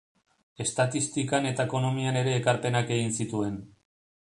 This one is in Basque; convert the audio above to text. Estatistikan eta ekonomian ere ekarpenak egin zituen.